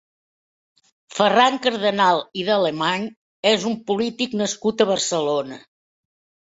Ferran Cardenal i de Alemany és un polític nascut a Barcelona.